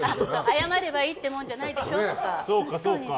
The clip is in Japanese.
謝ればいいってもんじゃないでしょとか。